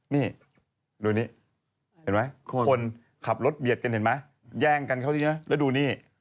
นี่ดูนี่เห็นไหมคนขับรถเบียดกันเห็นไหมแย่งกันเข้าสินะแล้วดูนี่